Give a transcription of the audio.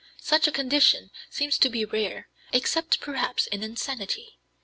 Such a condition seems to be rare, except, perhaps, in insanity.